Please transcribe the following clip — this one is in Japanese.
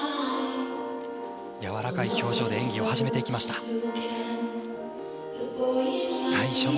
柔らかい表情で演技を始めていきました。